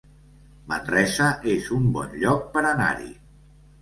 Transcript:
Manresa es un bon lloc per anar-hi